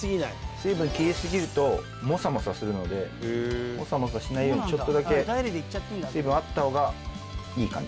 水分切りすぎるとモサモサするのでモサモサしないようにちょっとだけ水分あった方がいい感じですね。